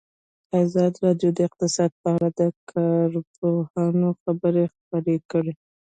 ازادي راډیو د اقتصاد په اړه د کارپوهانو خبرې خپرې کړي.